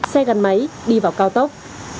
xe gắn máy đi vào cao tốc